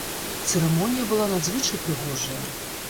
Цырымонія была надзвычай прыгожая.